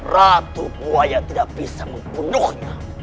ratu buaya tidak bisa membunuhnya